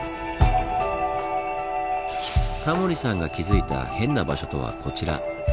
タモリさんが気付いた変な場所とはこちら。